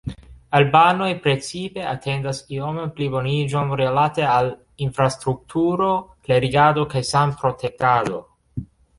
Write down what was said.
Albanoj precipe atendas ioman pliboniĝon rilate al infrastrukturo, klerigado kaj sanprotektado.